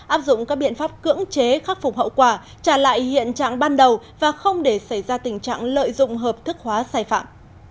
áp dụng các biện pháp cưỡng chế khắc phục hậu quả trả lại hiện trạng ban đầu và không để xảy ra tình trạng lợi dụng hợp thức hóa sai phạm